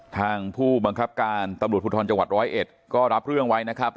ทางผู้บังคับการตำรวจภูทรจังหวัดร้อยเอ็ดก็รับเรื่องไว้นะครับ